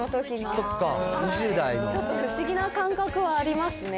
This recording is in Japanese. ちょっと不思議な感覚はありますね。